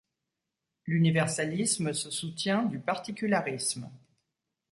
L’universalisme se soutient du particularisme.